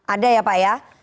ada ya pak